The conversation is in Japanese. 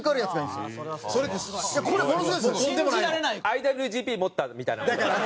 ＩＷＧＰ持ったみたいな事かな？